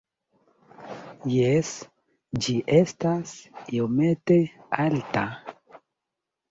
Jes ĝi estas iomete alta